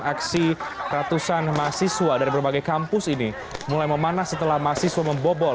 aksi ratusan mahasiswa dari berbagai kampus ini mulai memanas setelah mahasiswa membobol